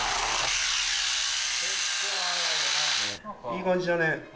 いい感じだね。